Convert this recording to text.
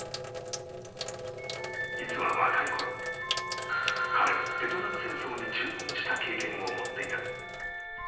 ［実は若いころ彼はベトナム戦争に従軍した経験を持っていた］